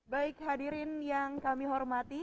baik hadirin yang kami hormati